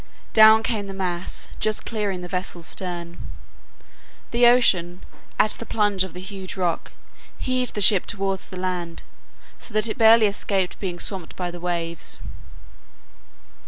Down came the mass, just clearing the vessel's stern. The ocean, at the plunge of the huge rock, heaved the ship towards the land, so that it barely escaped being swamped by the waves.